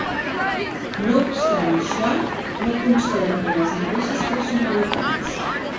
No obstant això, no conserven les mateixes personalitats.